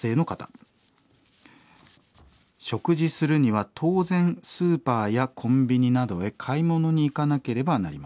「食事するには当然スーパーやコンビニなどへ買い物に行かなければなりません。